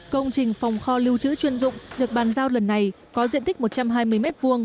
công trình phòng kho lưu trữ chuyên dụng được bàn giao lần này có diện tích một trăm hai mươi m hai